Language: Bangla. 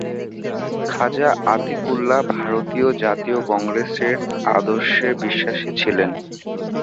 খাজা আতিকুল্লাহ ভারতীয় জাতীয় কংগ্রেসের আদর্শে বিশ্বাসী ছিলেন।